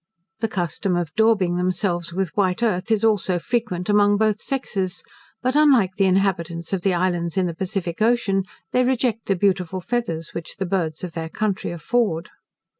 The custom of daubing themselves with white earth is also frequent among both sexes: but, unlike the inhabitants of the Islands in the Pacific Ocean, they reject the beautiful feathers which the birds of their country afford.